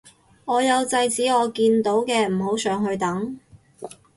我有制止我見到嘅唔好上去等